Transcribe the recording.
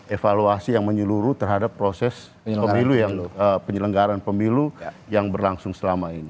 evaluasi yang menyeluruh terhadap proses pemilu yang berlangsung selama ini